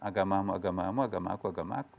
agama mu agama mu agama aku agama aku